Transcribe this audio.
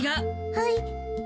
はい。